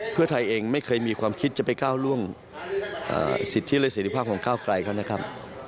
เพื่อไทยเองไม่เคยมีความคิดจะไปก้าวร่วงสิทธิและเสร็จภาพของก้าวไกลเขานะครับ